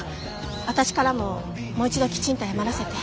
私からももう一度きちんと謝らせて。